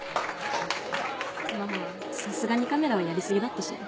まぁさすがにカメラはやり過ぎだったしね。